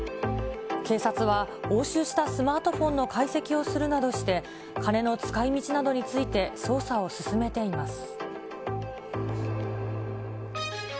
警察は、押収したスマートフォンの解析をするなどして、金の使いみちなどについて捜査を進めています。